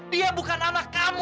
dia bukan anak kamu